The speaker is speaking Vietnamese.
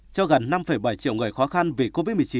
cho gần năm bảy triệu người khó khăn vì covid một mươi chín